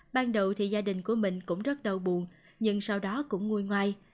ban đầu thì gia đình của mình cũng rất đau buồn nhưng sau đó cũng nguôi ngoai